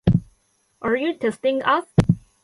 Are you teasing us?